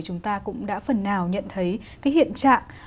chúng ta cũng đã phần nào nhận thấy cái hiện trạng